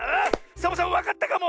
サボさんわかったかも！